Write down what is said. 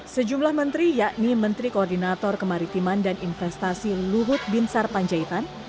sejumlah menteri yakni menteri koordinator kemaritiman dan investasi luhut binsar panjaitan